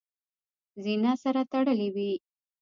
زینه سره تړلې وي .